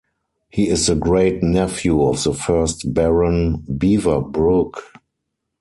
He is the great-nephew of the first Baron Beaverbrook.